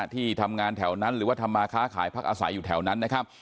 ที่ทำงานแถวนั้นหรือว่าทำมาค้าขายพักอาศัยอยู่แถวนั้นนะครับ